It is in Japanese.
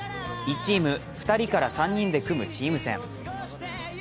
１チーム、２人から３人で組むチーム戦。